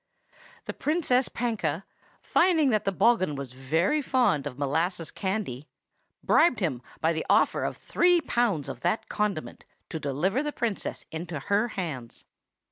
"The Princess Panka, finding that the bogghun was very fond of molasses candy, bribed him by the offer of three pounds of that condiment to deliver the Princess into her hands.